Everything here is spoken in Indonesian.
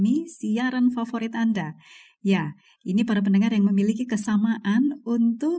marilah siapa yang mau